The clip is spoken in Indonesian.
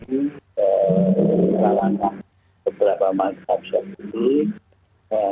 terkena beberapa masyarakat seperti ini